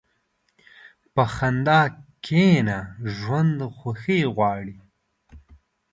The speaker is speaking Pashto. په خندا کښېنه، ژوند خوښي غواړي.